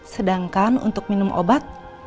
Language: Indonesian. sedangkan untuk minum obat